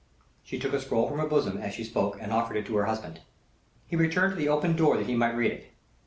She took a scroll from her bosom as she spoke and offered it to her husband. He returned to the open door that he might read it.